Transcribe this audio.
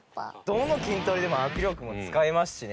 どの筋トレでも握力も使いますしね。